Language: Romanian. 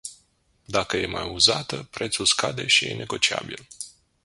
Dacă e mai uzată, prețul scade și e negociabil.